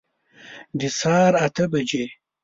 د سهار اته بجي